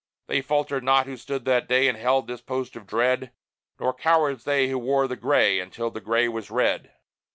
They faltered not who stood that day And held this post of dread; Nor cowards they who wore the gray Until the gray was red.